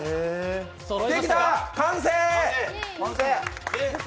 できた、完成！